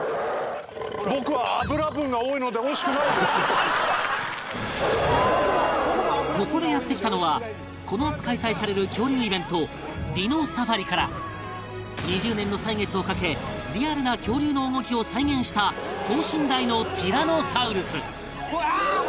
僕はここでやって来たのはこの夏開催される恐竜イベント ＤＩＮＯＳＡＦＡＲＩ から２０年の歳月をかけリアルな恐竜の動きを再現した等身大のティラノサウルスうわーっ！